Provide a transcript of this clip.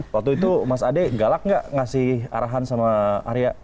waktu itu mas ade galak gak ngasih arahan sama arya